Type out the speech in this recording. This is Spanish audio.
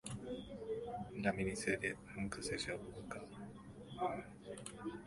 La miniserie nunca se llevó a cabo.